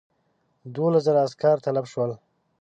دوولس زره عسکر تلف شول.